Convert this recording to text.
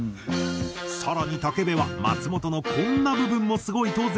さらに武部は松本のこんな部分もすごいと絶賛。